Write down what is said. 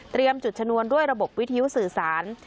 จุดชนวนด้วยระบบวิทยุสื่อสาร